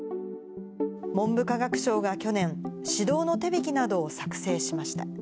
文部科学省が去年、指導の手引などを作成しました。